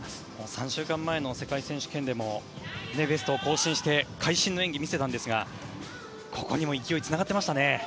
３週間前の世界選手権でもベストを更新して会心の演技を見せたんですがここにも勢い、つながっていましたね。